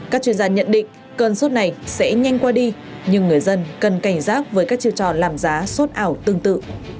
các chuyên gia nhận định cơn sốt này sẽ nhanh qua đi nhưng người dân cần cảnh giác với các chiều tròn làm giá sốt ảo tương tự